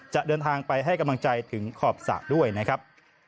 จะเดินทางไปให้กำลังใจถึงขอบสระด้วยนะครับ